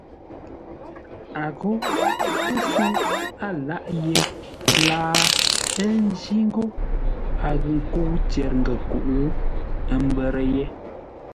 A ghó tə́səu a láʼ yé láa ńjí ńgó a ghʉ nkə́u tyer-ngənkuʼu, ə́ mbə́rə́ yé.